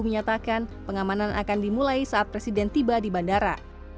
menyatakan pengamanan akan dimulai saat presiden tiba di bandara